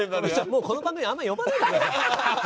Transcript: もうこの番組あんまり呼ばないでください。